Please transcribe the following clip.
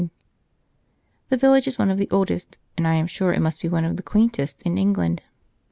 jpg} The village is one of the oldest, and I am sure it must be one of the quaintest, in England.